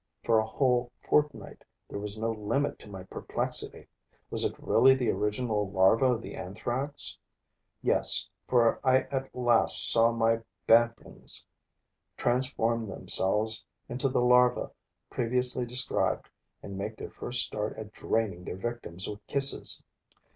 For a whole fortnight, there was no limit to my perplexity. Was it really the original larva of the Anthrax? Yes, for I at last saw my bantlings transform themselves into the larva previously described and make their first start at draining their victims with kisses.